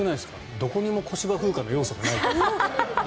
どこにも小芝風花の要素がない。